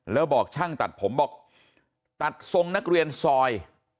แล้วบอกช่างตัดผมบอกตัดทรงนักเรียนซอย